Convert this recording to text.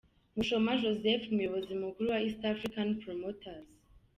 Mushyoma Joseph umuyobozi mukuru wa East African Promoters.